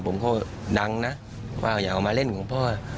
ผมก็ดังนะว่าอย่าเอามาเล่นของพ่อ